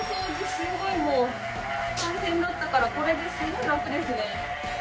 すごいもう大変だったからこれですごい楽ですね。